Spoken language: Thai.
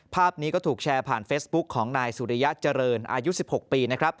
ภาพนี้ก็ถูกแชร์ผ่านเฟซบุ๊คของนายสุริยะเจริญอายุ๑๖ปี